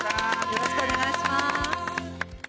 よろしくお願いします。